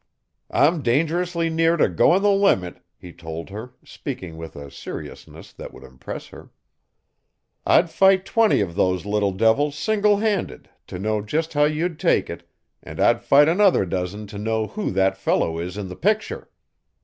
"I'm dangerously near to going the limit," he told her, speaking with a seriousness that would impress her. "I'd fight twenty of those little devils single handed to know just how you'd take it, and I'd fight another dozen to know who that fellow is in the picture.